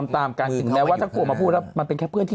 ตามการสิ่งแรกว่าถ้าควรมาพูดแล้วมันเป็นแค่เพื่อนที่